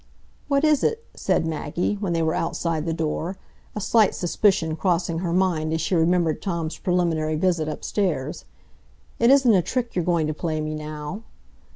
"What is it?" said Maggie, when they were outside the door, a slight suspicion crossing her mind as she remembered Tom's preliminary visit upstairs. "It isn't a trick you're going to play me, now?"